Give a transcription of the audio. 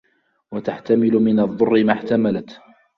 وَتَحْتَمِلُ مِنْ الضُّرِّ مَا احْتَمَلَتْ